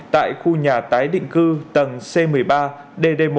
tại khu nhà tái định cư tầng c một mươi ba dd một